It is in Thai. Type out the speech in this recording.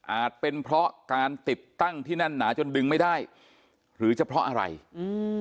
เป็นเพราะการติดตั้งที่แน่นหนาจนดึงไม่ได้หรือจะเพราะอะไรอืม